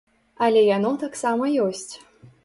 Але яно таксама ёсць.